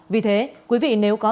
vì thế quý vị nếu có thể